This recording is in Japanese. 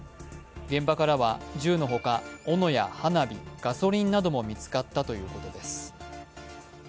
現場からは銃の他、おのや花火、ガソリンなども見つかったということです。